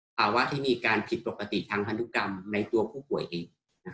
ภาวะที่มีการผิดปกติทางพันธุกรรมในตัวผู้ป่วยเอง